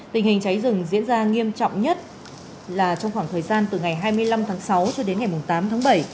tình hình cháy rừng diễn ra nghiêm trọng nhất là trong khoảng thời gian từ ngày hai mươi năm tháng sáu cho đến ngày tám tháng bảy